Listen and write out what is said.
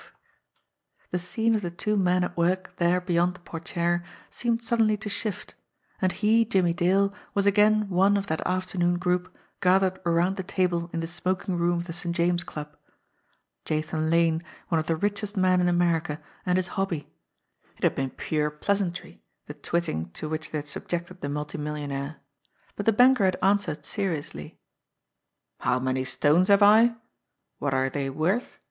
THE GRAY SEAL 29 The scene of the two men at work there beyond the portiere seemed suddenly to shift, and he, Jimmie Dale, was again one of that afternoon group gathered around the table in the smoking room of the St. James Club. Jathan Lane, one of the richest men in America, and his hobby! It had been pure pleasantry, the twitting to which they had subjected the multimillionaire. But the banker had answered seriously. "How many stones have I ? What are they worth